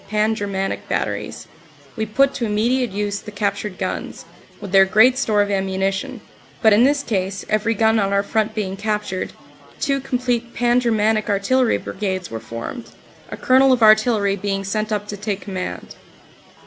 Tan Ger manic" Batteries, we put to immediate use the captured guns, with their great store of ammunition, but in this case every gun on our front being captured, two complete "Pan Germanic" Artillery Brigades were formed, a Colonel of Artillery being sent up to take command.